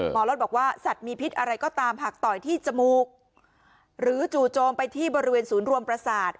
หมอล็อตบอกว่าสัตว์มีพิษอะไรก็ตามหากต่อยที่จมูกหรือจู่โจมไปที่บริเวณศูนย์รวมประสาท